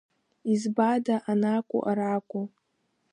Избада, анакәу, аракәу?!